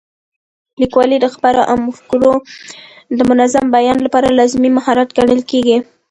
لیکوالی د خبرو او مفکورو د منظم بیان لپاره لازمي مهارت ګڼل کېږي.